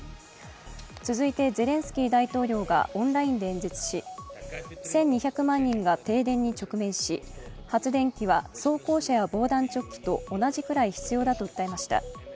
続いて、ゼレンスキー大統領がオンラインで演説し、１２００万人が停電に直面し、発電機は装甲車や防弾チョッキと同じくらい必要だと訴えました。